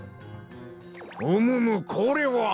うむむこれは！